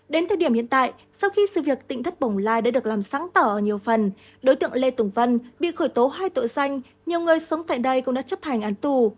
đến thời điểm hiện tại sau khi sự việc tỉnh thất bồng lai đã được làm sáng tỏ ở nhiều phần đối tượng lê tùng vân bị khởi tố hai tội danh nhiều người sống tại đây cũng đã chấp hành án tù